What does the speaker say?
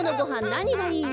なにがいい？